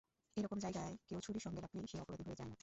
এরকম জায়গায় কেউ ছুরি সঙ্গে রাখলেই সে অপরাধী হয়ে যায় না।